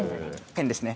ペンですね。